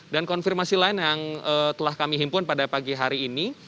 dan konfirmasi lain yang telah kami himpun pada pagi hari ini